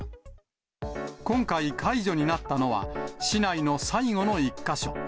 今回、解除になったのは、市内の最後の１か所。